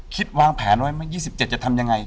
วางแผนไว้ไหม๒๗จะทำยังไง